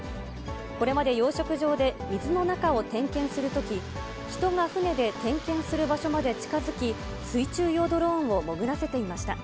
これまで養殖場で水の中を点検するとき、人が船で点検する場所まで近づき、水中用ドローンを潜らせていました。